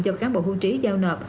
do cán bộ hưu trí giao nợp